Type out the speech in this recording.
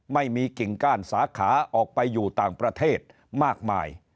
ไม่มีกิ่งก้านสาขาออกไปอยู่ต่างประเทศมากมาย